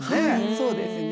そうですね。